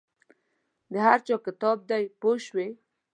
د هر چا کتاب دی پوه شوې!.